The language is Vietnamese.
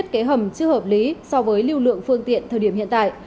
thiết kế hầm chưa hợp lý so với lưu lượng phương tiện thời điểm hiện tại